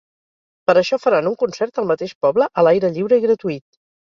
Per això faran un concert al mateix poble a l’aire lliure i gratuït.